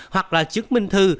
hoặc là chứng minh thư